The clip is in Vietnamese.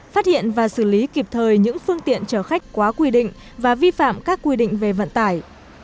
phát hiện và xử lý kịp thời những phương tiện chở khách quá quy định và vi phạm các quy định về vận tải